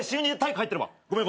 ごめん